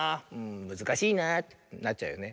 「むずかしいな」ってなっちゃうよね。